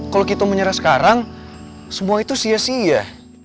kalau kita menyerah sekarang semua itu sia sia